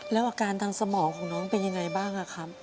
แล้วอาการทางสมองของน้องเป็นยังไงบ้างครับ